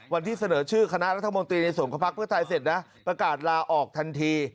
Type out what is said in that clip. วันที่เสนอชื่อคณะรัฐมนตรีในส่วนของพักเพื่อไทยเสร็จนะประกาศลาออกทันที